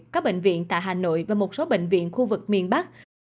các bệnh viện tại hà nội và một số bệnh viện khu vực miền bắc